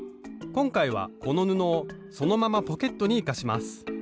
今回はこの布をそのままポケットに生かします